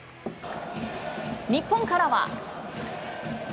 日本からは。